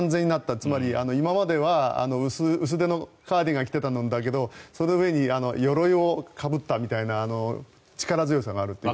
つまり、今までは薄手のカーディガン着てたんだけどその上に鎧をかぶったみたいな力強さがある。